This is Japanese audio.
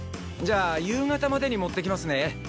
じゃあ夕方までに持ってきますね。